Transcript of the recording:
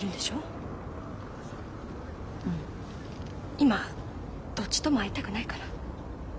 今どっちとも会いたくないから。